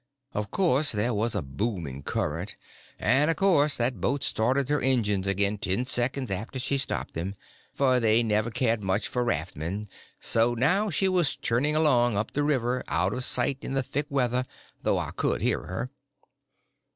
Of course there was a booming current; and of course that boat started her engines again ten seconds after she stopped them, for they never cared much for raftsmen; so now she was churning along up the river, out of sight in the thick weather, though I could hear her.